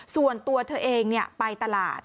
ส่วนตัวเธอเองไปตลาด